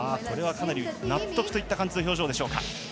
かなり納得といった感じの表情でしょうか。